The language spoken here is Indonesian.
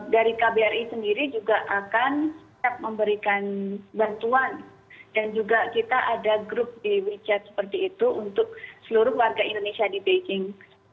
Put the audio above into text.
dari kbri sendiri juga akan memberikan bantuan dan juga kita ada grup di wechat seperti itu untuk seluruh warga indonesia di beijing